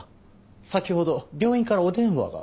先ほど病院からお電話が。